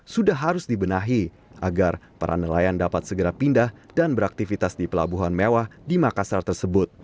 sudah harus dibenahi agar para nelayan dapat segera pindah dan beraktivitas di pelabuhan mewah di makassar tersebut